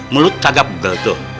mulut kagak begel tuh